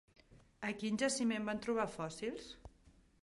A quin jaciment van trobar fòssils?